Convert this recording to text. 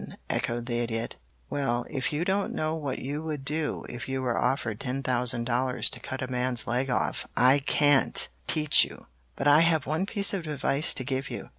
echoed the Idiot. "Well, if you don't know what you would do if you were offered ten thousand dollars to cut a man's leg off I can't teach you, but I have one piece of advice to give you.